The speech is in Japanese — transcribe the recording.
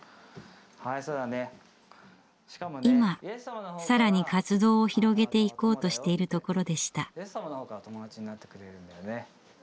今更に活動を広げていこうとしているところでした。